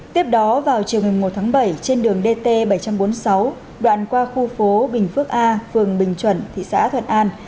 tiếp đó vào chiều ngày một tháng bảy trên đường dt bảy trăm bốn mươi sáu đoạn qua khu phố bình phước a phường bình chuẩn thị xã thuận an